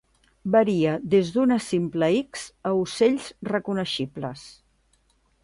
Varia des d'una simple X a ocells reconeixibles.